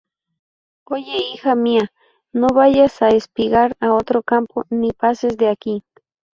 Oye, hija mía, no vayas á espigar á otro campo, ni pases de aquí: